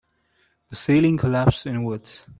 The ceiling collapsed inwards.